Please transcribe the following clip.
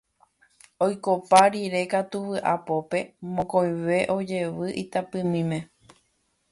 Oikopa rire katu vy'apópe mokõive ojevy itapỹimíme.